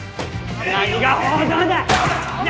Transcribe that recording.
何が報道だ！